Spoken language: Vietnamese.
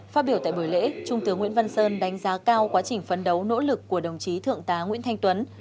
phát biểu tại buổi lễ trung tướng nguyễn văn sơn đánh giá cao quá trình phấn đấu nỗ lực của đồng chí thượng tá nguyễn thanh tuấn